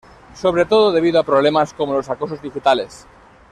Sobre todo debido a problemas como los acosos digitales.